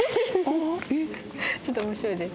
ちょっと面白いです。